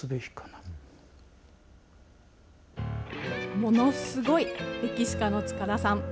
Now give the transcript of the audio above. ものすごい歴史家の塚田さん。